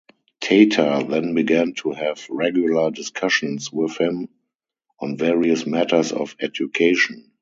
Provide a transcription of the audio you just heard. Tata then began to have regular discussions with him on various matters of education.